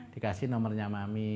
dikasih nomernya mami